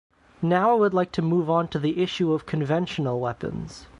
Now I would like to move on to the issue of conventional weapons.